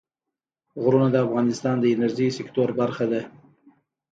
غرونه د افغانستان د انرژۍ سکتور برخه ده.